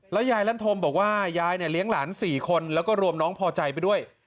ยายลั่นธมบอกว่ายายเนี่ยเลี้ยงหลาน๔คนแล้วก็รวมน้องพอใจไปด้วย